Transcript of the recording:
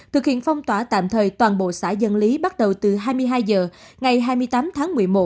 thực hiện phong tỏa tạm thời toàn bộ xã dân lý bắt đầu từ hai mươi hai h ngày hai mươi tám tháng một mươi một